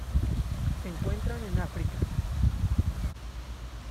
Se encuentran en África